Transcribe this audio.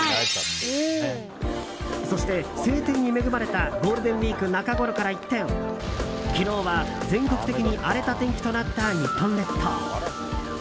そして、晴天に恵まれたゴールデンウィーク中ごろから一転昨日は全国的に荒れた天気となった日本列島。